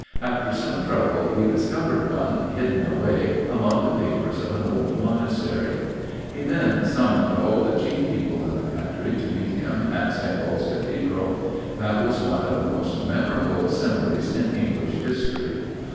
After some trouble he discovered one, hidden away among the papers of an old monastery. He then summoned all the chief people in the country to meet him at St. Paul's Cathedral. That was one of the most memorable assemblies in English history.